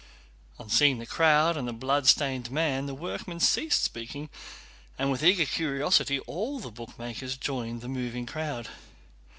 On seeing the crowd and the bloodstained man the workman ceased speaking, and with eager curiosity all the bootmakers joined the moving crowd.